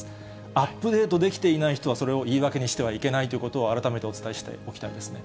アップデートできていない人はそれを言い訳にしてはいけないということを改めてお伝えしておきたいですね。